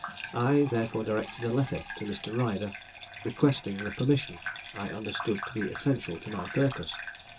I, therefore, directed a letter to Mr. Ryder, requesting the permission I understood to be essential to my purpose.